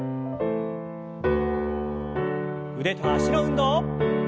腕と脚の運動。